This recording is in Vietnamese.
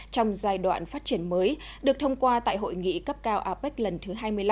trong giai đoạn phát triển mới được thông qua tại hội nghị cấp cao apec lần thứ hai mươi năm